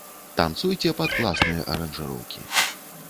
Танцуйце пад класныя аранжыроўкі.